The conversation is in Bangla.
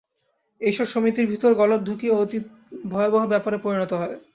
ঐ-সব সমিতির ভিতর গলদ ঢুকিয়া অতি ভয়াবহ ব্যাপারে পরিণত হয়।